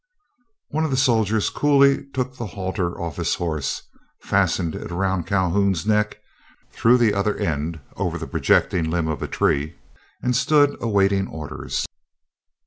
One of the soldiers coolly took the halter off his horse, fastened it around Calhoun's neck, threw the other end over the projecting limb of a tree, and stood awaiting orders.